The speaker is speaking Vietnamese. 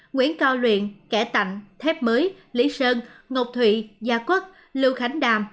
nguyễn cao luyện kẻ tạnh thép mới lý sơn ngọc thụy gia quốc lưu khánh đàm